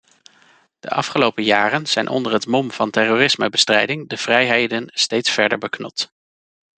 De afgelopen jaren zijn onder het mom van terrorismebestrijding de vrijheden steeds verder beknot.